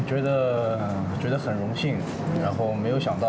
อืมรู้ไหมว่าดังมากเลยตอนนี้